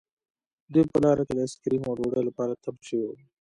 دوی په لاره کې د آیس کریم او ډوډۍ لپاره تم شوي وو